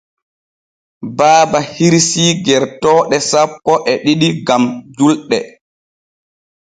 Baaba hirsii gertooɗo sappo e ɗiɗi gam julɗe.